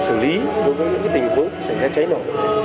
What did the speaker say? đặc biệt là biết cách để xử lý đối với những tình huống xảy ra cháy nổ